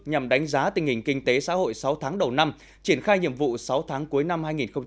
nhằm đánh giá tình hình kinh tế xã hội sáu tháng đầu năm triển khai nhiệm vụ sáu tháng cuối năm hai nghìn hai mươi